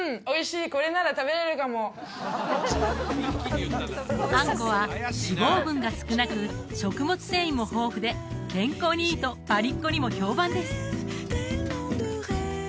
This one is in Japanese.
おいしいこれなら食べれるかもあんこは脂肪分が少なく食物繊維も豊富で健康にいいとパリっ子にも評判です